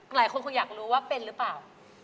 หลายคนคงอยากรู้ว่าเป็นหรือเปล่า